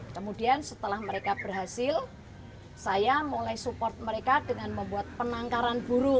kemudian setelah mereka berhasil saya mulai support mereka dengan membuat penangkaran burung